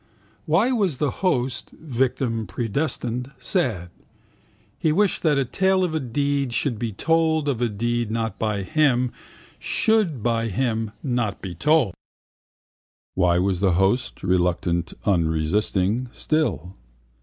Why was the host (victim predestined) sad? He wished that a tale of a deed should be told of a deed not by him should by him not be told. Why was the host (reluctant, unresisting) still?